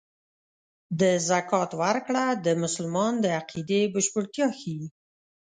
د زکات ورکړه د مسلمان د عقیدې بشپړتیا ښيي.